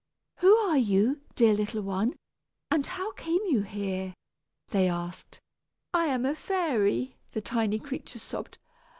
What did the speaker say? "Who are you, dear little one, and how came you here?" they asked. "I am a fairy," the tiny creature sobbed.